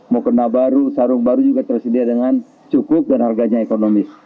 mukena baru sarung baru juga tersedia dengan cukup dan harganya ekonomis